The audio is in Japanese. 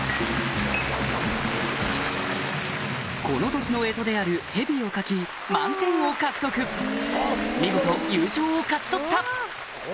この年の干支であるへびを描き満点を獲得見事優勝を勝ち取った！